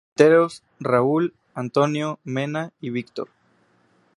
Delanteros: Raúl, Antonio, Mena y Víctor.